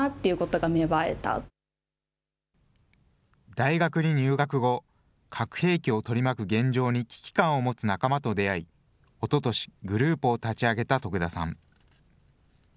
大学に入学後、核兵器を取り巻く現状に危機感を持つ仲間と出会い、おととし、グループを立ち上げた徳田さん。